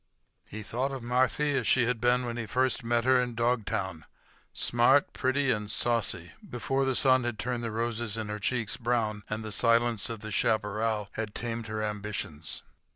He thought of Marthy as she had been when he first met her in Dogtown—smart, pretty, and saucy—before the sun had turned the roses in her cheeks brown and the silence of the chaparral had tamed her ambitions.